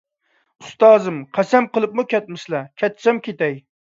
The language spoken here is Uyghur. ئۇستازىم، قەسەم قىلىپمۇ كەتمىسىلە، كەتسەم كېتەي.